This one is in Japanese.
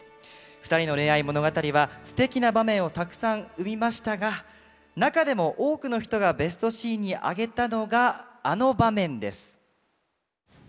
２人の恋愛物語はすてきな場面をたくさん生みましたが中でも多くの人がベストシーンに挙げたのがあの場面です。